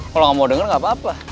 kalau nggak mau dengar nggak apa apa